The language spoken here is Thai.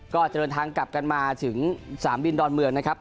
ก็จะเดินทางกลับกันมาถึงสนามบินดอนเมืองนะครับ